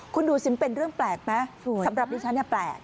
คุณดูสิมันเป็นเรื่องแปลกไหมสำหรับดิฉันเนี่ยแปลก